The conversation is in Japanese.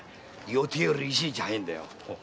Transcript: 予定より一日早いんだよ。